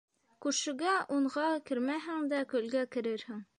Күршегә онға кермәһәң дә, көлгә керерһең.